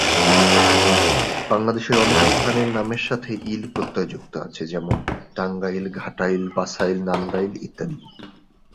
বাংলাদেশে অনেক স্থানের নামের সাথে ইল প্রত্যয় যুক্ত আছে যেমন টাঙ্গাইল, ঘাটাইল, বাসাইল, নান্দাইল ইত্যাদি।